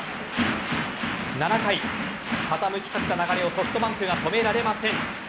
７回傾きかけた流れをソフトバンクが止められません。